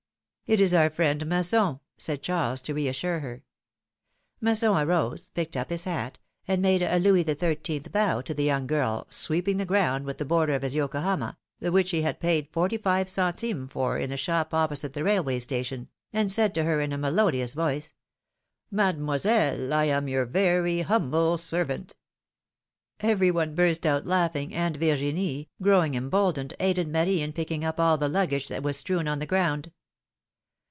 It is our friend, Masson," said Charles, to reassure her. Masson arose, picked up his hat, and made a Louis XIII. bow to the young girl, sweeping the ground v/ith the border of his Yokohama, the which he had paid 8 122 PHILOMi^NE^S MARRIAGES. forty five centimes for in a shop opposite the railway station, and said to her in a melodious voice : Mademoiselle, I am your very humble servant.^^ Everyone burst out laughing, and Virginie, growing emboldened, aided Marie in picking up all the luggage that was strewn on the ground.